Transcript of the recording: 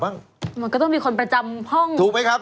มันก็ต้องมีคนประจำห้องถูกไหมครับ